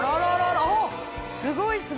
すごい！